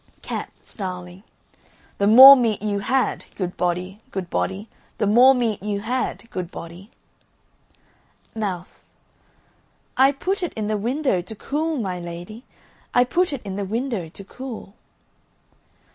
CAT (snarling). The more meat you had, good body, good body, The more meat you had, good body. MOUSE. I put it in the window to cool, my lady, I put it in the window to cool.